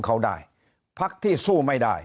เพราะสุดท้ายก็นำไปสู่การยุบสภา